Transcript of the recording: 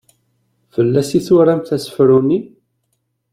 Fell-as i turamt asefru-nni?